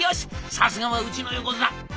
さすがはうちの横綱！